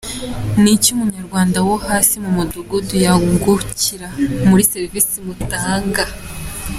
Ni iki umunyarwanda wo hasi mu mudugudu yungukira muri serivisi mutanga?.